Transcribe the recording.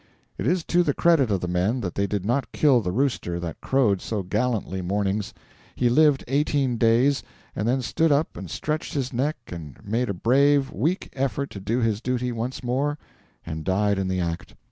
It is to the credit of the men that they did not kill the rooster that crowed so gallantly mornings. He lived eighteen days, and then stood up and stretched his neck and made a brave, weak effort to do his duty once more, and died in the act.